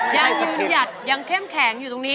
ยังยืนหยัดยังเข้มแข็งอยู่ตรงนี้